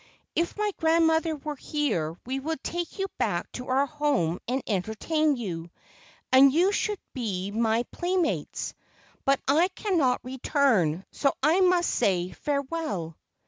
If my grandmother were here we would take you back to our home and entertain you, and you should be my play¬ mates. But I cannot return, so I must say 'Farewell.